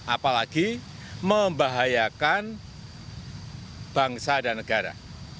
apalagi membahayakan bangsa dan negara